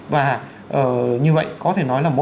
và như vậy có thể nói là